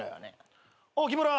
おう木村。